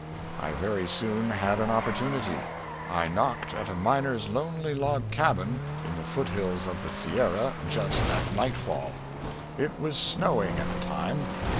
_ I very soon had an opportunity. I knocked at a miner's lonely log cabin in the foothills of the Sierras just at nightfall. It was snowing at the time.